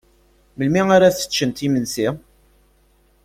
Melmi ara teččent imensi?